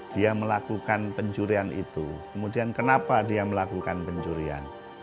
dia melakukan pencurian itu kemudian kenapa dia melakukan pencurian